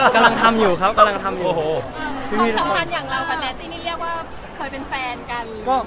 และเป็นความตั้งการทางทั้งของทุกทางเรา